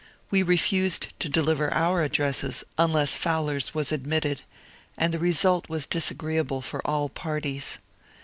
We refused to deliver our addresses unless Fowler's was admitted, and the result was disagreeable for all parties.